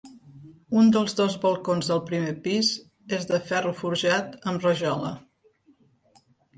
Un dels dos balcons del primer pis és de ferro forjat amb rajola.